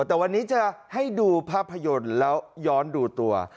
แต่วันนี้จะให้ดูภาพยนตร์แล้วย้อนดูตัว